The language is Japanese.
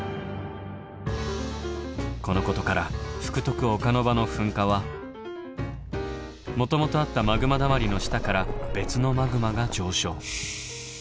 このことから福徳岡ノ場の噴火はもともとあったマグマだまりの下から別のマグマが上昇。